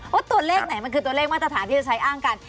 ว่าตัวเลขไหนมันคือตัวเลขมาตรฐานที่จะใช้อ้างกัน